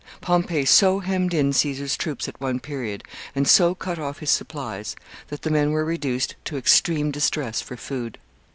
Pompey so hemmed in Caesar's troops at one period, and so cut off his supplies, that the men were reduced to extreme distress for food.